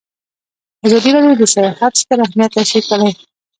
ازادي راډیو د سیاست ستر اهميت تشریح کړی.